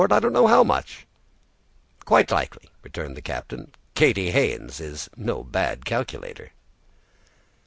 I don't know how much." "Quite likely," returned the captain, "Katy Haynes is no bad calculator."